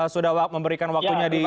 sudah memberikan waktunya di